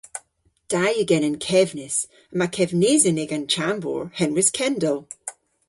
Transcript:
Da yw genen kevnis. Yma kevnisen y'gan chambour henwys Kendal.